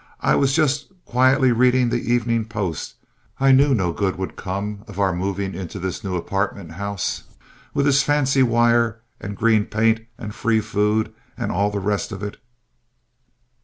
I was just quietly reading The Evening Post. I knew no good would come of our moving into this new apartment house, with its fancy wire and green paint and free food, and all the rest of it.